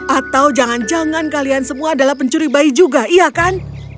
atau jangan jangan kalian semua adalah pencuri bayi juga iya kan